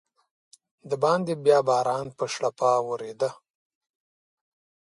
دباندې بیا باران په شړپا ورېده.